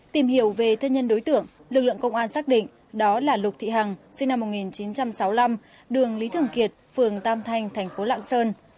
tìm hiểu về thân nhân đối tượng lực lượng công an xác định đó là lục thị hằng sinh năm một nghìn chín trăm sáu mươi năm đường lý thường kiệt phường tam thanh thành phố lạng sơn